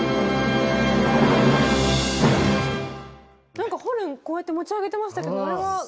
なんかホルンこうやって持ち上げてましたけどあれは？